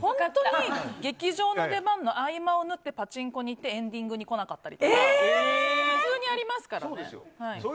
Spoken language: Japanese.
劇場の出番の合間を縫ってパチンコに行ってエンディングに来なかったりとか普通にありますからね。